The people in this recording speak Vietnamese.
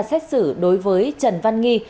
xét xử đối với trần văn nghi